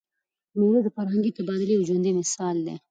مېلې د فرهنګي تبادلې یو ژوندى مثال دئ.